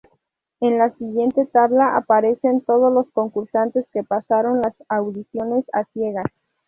En la siguiente tabla aparecen todos los concursantes que pasaron las audiciones a ciegas.